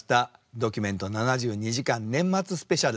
「ドキュメント７２時間年末スペシャル」。